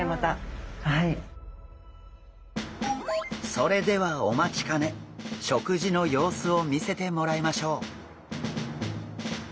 それではお待ちかね食事の様子を見せてもらいましょう。